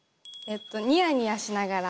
「ニヤニヤしながら」。